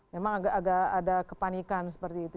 memang agak agak ada kepanikan seperti itu